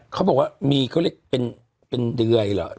เขาบอกว่ามีเขาเรียกเป็นเดยเหรอ